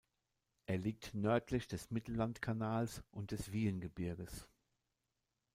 Er liegt nördlich des Mittellandkanals und des Wiehengebirges.